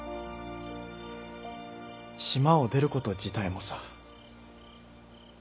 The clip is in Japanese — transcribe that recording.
島を出ること自体もさ。